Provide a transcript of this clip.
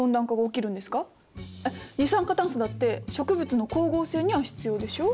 二酸化炭素だって植物の光合成には必要でしょう？